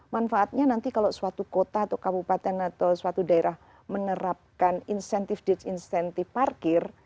manfaatnya nanti kalau suatu kota atau kabupaten atau suatu daerah menerapkan insentif disinsentif parkir